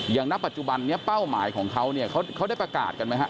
ณปัจจุบันนี้เป้าหมายของเขาเนี่ยเขาได้ประกาศกันไหมฮะ